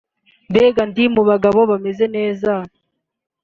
mbega ndi mu bagabo bameze neza